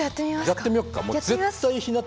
やってみよっか。